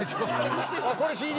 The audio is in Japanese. これＣＤ。